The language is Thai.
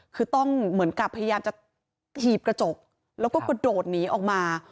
คือต้องเหมือนกับพยายามจะถีบกระจกแล้วก็กระโดดหนีออกมา